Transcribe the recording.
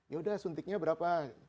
yaudah suntiknya berapa